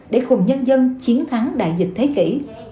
để cùng nhân dân chiến thắng đại dịch thế kỷ